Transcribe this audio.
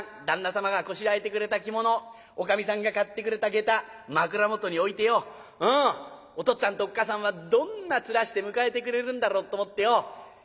旦那様がこしらえてくれた着物おかみさんが買ってくれた下駄枕元に置いてよお父っつぁんとおっ母さんはどんな面して迎えてくれるんだろうと思ってよ